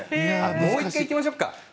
もう１回やりましょうか。